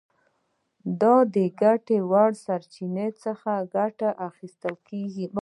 دا د ګټې وړ سرچینو څخه ګټه اخیستل دي.